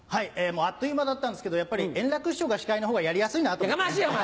あっという間だったんですけど円楽師匠が司会のほうがやりやすいなと思ってね。